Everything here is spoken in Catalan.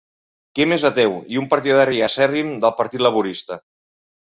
Kemp és ateu i un partidari acèrrim del Partit Laborista.